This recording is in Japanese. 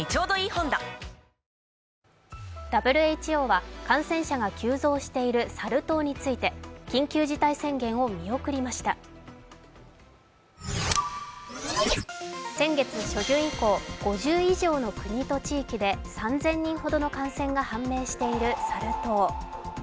ＷＨＯは感染者が急増しているサル痘について先月初旬以降、５０以上の国と地域で３０００人ほどの感染が判明しているサル痘。